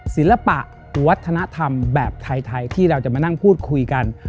ศิลปะวัฒนธรรมแบบไทยที่เราจะมานั่งพูดคุยกัน